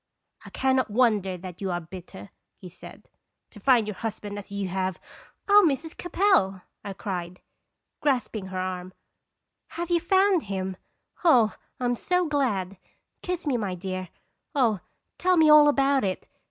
" I can not wonder that you are bitter," he said, " to find your husband as you have " "Oh, Mrs. Capel!" I cried, grasping her arm, " have you found him? Oh, I'm so glad! kiss me, my dear. Oh, tell me all about it!